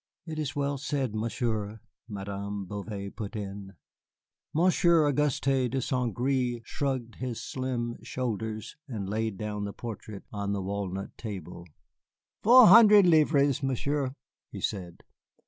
"It is well said, Monsieur," Madame Bouvet put in. Monsieur Auguste de Saint Gré shrugged his slim shoulders and laid down the portrait on the walnut table. "Four hundred livres, Monsieur," he said.